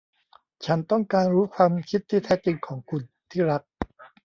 ฉันต้องการรู้ความคิดที่แท้จริงของคุณ ที่รัก